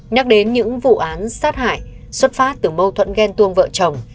nhắc đến những vụ án sát hại xuất phát từ mâu thuẫn ghen tuông vợ chồng